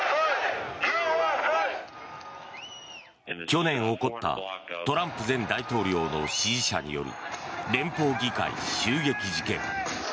去年起こったトランプ前大統領の支持者による連邦議会襲撃事件。